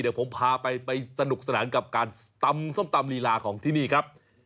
เดี๋ยวผมพาไปสนุกสนานกับการตำส้มตำลีลาของที่นี่ครับ